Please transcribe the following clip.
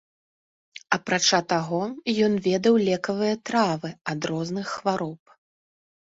Апрача таго, ён ведаў лекавыя травы ад розных хвароб.